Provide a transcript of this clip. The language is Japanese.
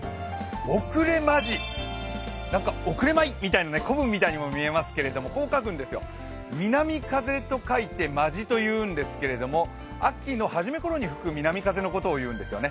おくれまじ、遅れまいみたいな古文みたいに見えるんですけどこう書くんですよ、南風と書いて、まじと言うんですけど、秋の初めころに吹く南風のことを言うんですよね。